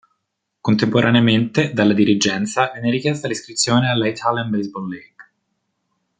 Contemporaneamente, dalla dirigenza, viene richiesta l'iscrizione alla Italian Baseball League.